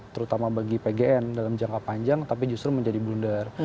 terutama bagi pgn dalam jangka panjang tapi justru menjadi blunder